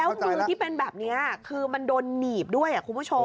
แล้วมือที่เป็นแบบนี้คือมันโดนหนีบด้วยคุณผู้ชม